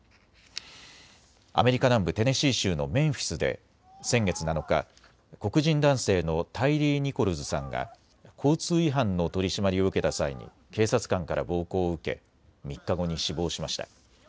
アメリカ南部テネシー州のメンフィスで先月７日、黒人男性のタイリー・ニコルズさんが交通違反の取締りを受けた際に警察官から暴行を受け３日後に死亡しました。